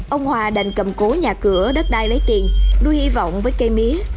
ông hòa đành cầm cố nhà cửa đất đai lấy tiền nuôi hy vọng với cây mía